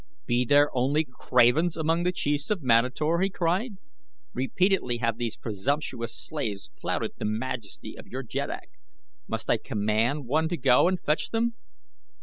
"Be there only cravens among the chiefs of Manator?" he cried. "Repeatedly have these presumptuous slaves flouted the majesty of your jeddak. Must I command one to go and fetch them?"